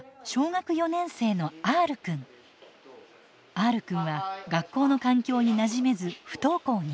Ｒくんは学校の環境になじめず不登校に。